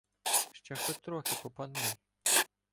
Ще хоть трохи попануй!